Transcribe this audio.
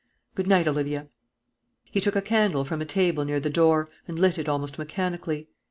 Good night, Olivia." He took a candle from a table near the door, and lit it almost mechanically.